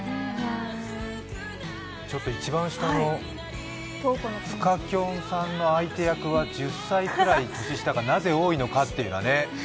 一番下の深キョンさんの相手役は１０歳くらい年下がなぜ多いかっていうのはね。